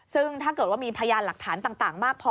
ซึ่งถ้าเกิดว่ามีพยานหลักฐานต่างมากพอ